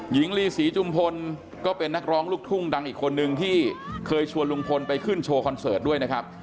หญิงลีศรีจุมพลก็เป็นนักร้องลูกทุ่งดังอีกคนนึงที่เคยชวนลุงพลไปขึ้นโชว์คอนเสิร์ตด้วยนะครับ